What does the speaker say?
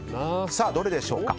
さあ、どれでしょうか。